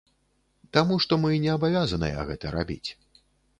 Таму што мы не абавязаныя гэта рабіць.